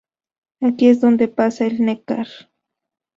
Aquí es donde pasa el Neckar.